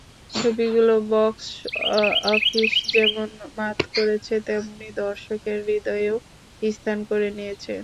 ছবিগুলো box office যেমন মাত করেছে, তেমনি দর্শকের হৃদয়েও স্থান করে নিয়েছে।